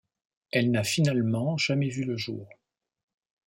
Elle n'a finalement jamais vu le jour.